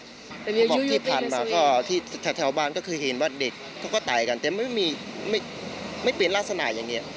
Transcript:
บอกที่ผ่านมาก็ที่แถวบ้านก็คือเห็นว่าเด็กเขาก็ตายกันแต่ไม่เป็นลักษณะอย่างนี้